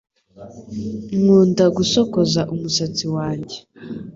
nkunda gosokoza umusatsi wanjye